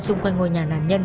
xung quanh ngôi nhà nạn nhân